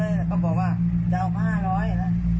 ยายจะเข้าไปนะเอาเข้ามาเลยก็บอกว่าจะเอา๕๐๐นะ